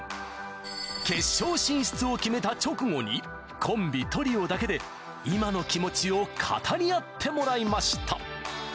決勝進出を決めた直後にコンビトリオだけで今の気持ちを語り合ってもらいました